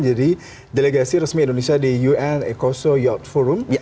jadi delegasi resmi indonesia di un ecoso youth forum